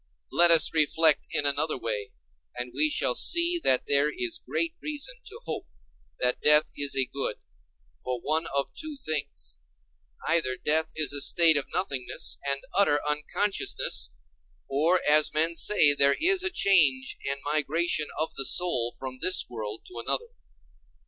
Let us reflect in another way, and we shall see that there is great reason to hope that death is a good, for one of two things: either death is a state of nothingness and utter unconsciousness, or, as men say, there is a change and migration of the soul from this world to another.